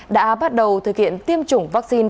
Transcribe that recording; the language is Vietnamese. đã bắt đầu thực hiện tiêm chủng vaccine